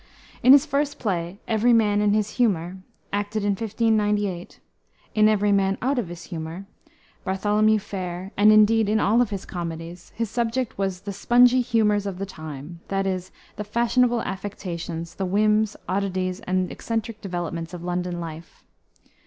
In his first play, Every Man in his Humor (acted in 1598), in Every Man Out of his Humor, Bartholomew Fair, and indeed, in all of his comedies, his subject was the "spongy humors of the time," that is, the fashionable affectations, the whims, oddities, and eccentric developments of London life.